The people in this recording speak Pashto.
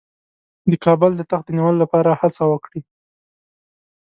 د کابل د تخت د نیولو لپاره هڅه وکړي.